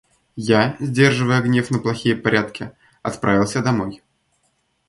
Я, сдерживая гнев на плохие порядки, отправился домой.